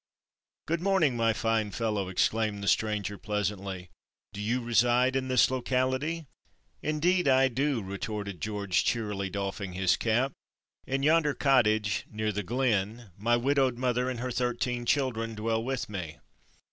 "Good morning, my fine fellow," exclaimed the stranger, pleasantly. "Do you reside in this locality?" "Indeed I do," retorted George, cheerily, doffing his cap. "In yonder cottage, near the glen, my widowed mother and her thirteen children dwell with me."